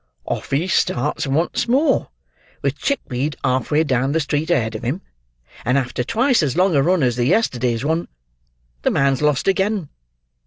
Off he starts once more, with Chickweed half way down the street ahead of him; and after twice as long a run as the yesterday's one, the man's lost again!